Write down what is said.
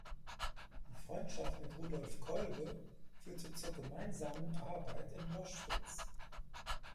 Die Freundschaft mit Rudolf Kolbe führte zur gemeinsamen Arbeit in Loschwitz.